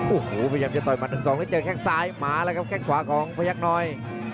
โอ้โหพยายามจะต่อยหมัด๑๒แล้วเจอแค่งซ้ายหมาแล้วครับแค่งขวาของพยักษ์น้อย